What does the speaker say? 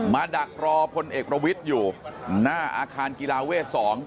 ดักรอพลเอกประวิทย์อยู่หน้าอาคารกีฬาเวท๒